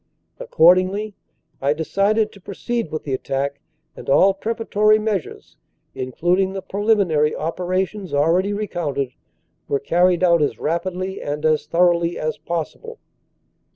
"Accordingly I decided to proceed with the attack, and all preparatory measures, including the preliminary operations already recounted, were carried out as rapidly and as thor oughly as possible."